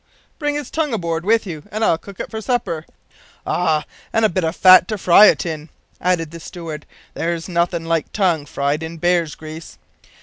"Bring his tongue aboard with you, and I'll cook it for supper." "Ah, and a bit of fat to fry it in," added the steward. "There's nothin' like tongue fried in bear's grease."